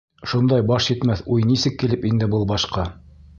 Шундай баш етмәҫ уй нисек килеп инде был башҡа?